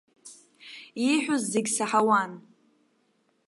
Ииҳәоз зегь саҳауан.